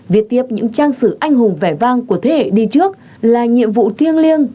viết tiếp những trang sử anh hùng vẻ vang của thế hệ đi trước là nhiệm vụ thiêng liêng